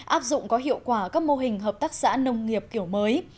áp dụng có hiệu quả các mô hình hợp tác xã nông nghiệp kiểu mới